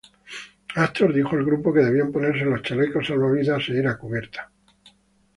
Astor dijo al grupo que debían ponerse los chalecos salvavidas e ir a cubierta.